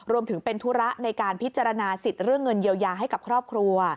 รวมถึงเป็นธุระในการพิจารณาสิทธิ์เรื่องเงินเยียวยาให้กับครอบครัว